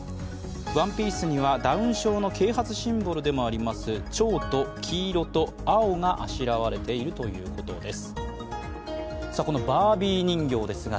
ワンピースにはダウン症啓発シンボルでもあります、ちょうと黄色と青があしらわれているということです。